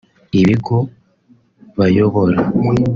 ibigo bayobora